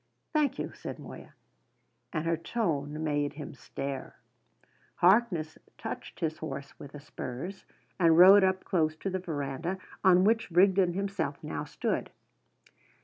"Thank you," said Moya. And her tone made him stare. Harkness touched his horse with the spurs, and rode up close to the verandah, on which Rigden himself now stood.